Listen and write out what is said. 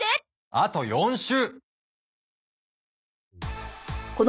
あと４週！